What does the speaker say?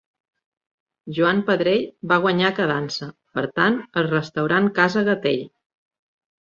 Joan Pedrell va guanyar quedant-se, per tant, el restaurant Casa Gatell.